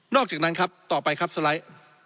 อกจากนั้นครับต่อไปครับสไลด์